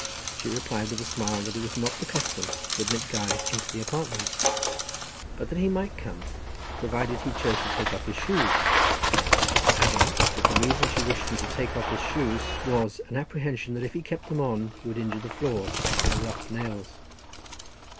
She replied with a smile that it was not the custom to admit guides into the apartments, but that he might come provided he chose to take off his shoes; adding, that the reason she wished him to take off his shoes was, an apprehension that if he kept them on he would injure the floors with their rough nails.